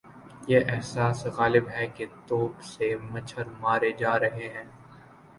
یہ احساس غالب ہے کہ توپ سے مچھر مارے جا رہے ہیں۔